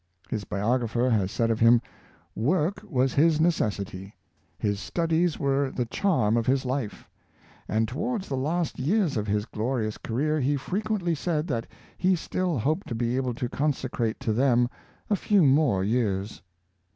His biographer has said of him, "Work was his necessity; his studies were the charm of his life; and towards the last years of his glorious career he frequently said that he still hoped to be able to consecrate to them a few more years."